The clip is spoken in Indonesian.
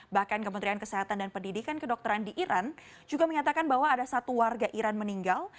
bahkan kementerian kesehatan dan pendidikan kedokteran di iran juga menyatakan bahwa ada satu warga iran meninggal